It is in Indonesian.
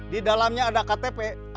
di dalamnya ada kata kata yang menyebutnya